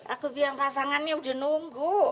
aku bilang pasangannya udah nunggu